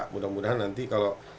mudah mudahan nanti kalau